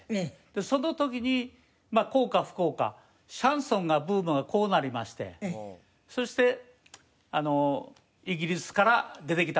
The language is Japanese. その時に幸か不幸かシャンソンがブームがこうなりましてそしてイギリスから出てきたのがですね。